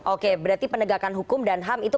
oke berarti penegakan hukum dan ham itu